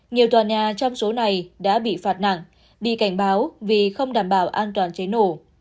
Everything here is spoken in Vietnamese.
nhiều tòa nhà trong số này đã bị phạt nặng đi cảnh báo vì không đảm bảo an toàn cháy nổ